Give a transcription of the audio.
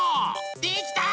できた！